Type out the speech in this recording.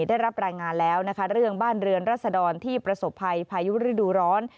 ได้รับรายงานแล้วนะคะเรื่องบ้านเรือนรัศดรที่ประสบภัยพายุฤดูร้อน